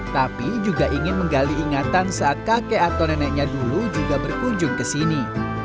tapi juga ingin menggali ingatan saat kakek atau neneknya dulu juga berkunjung ke sini